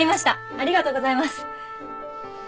ありがとうございます！